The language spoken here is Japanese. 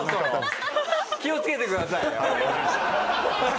気をつけてください。